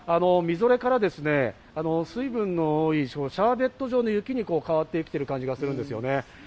みぞれから水分の多い、シャーベット状の雪に変わっていってる感じがするんですね。